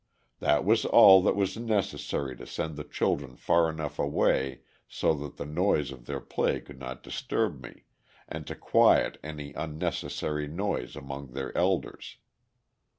That was all that was necessary to send the children far enough away so that the noise of their play could not disturb me, and to quiet any unnecessary noise among their elders.